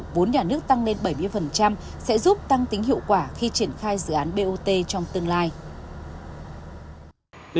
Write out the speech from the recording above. vốn nhà nước tăng lên bảy mươi sẽ giúp tăng tính hiệu quả khi triển khai dự án bot trong tương lai